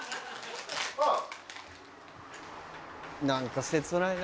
何か切ないね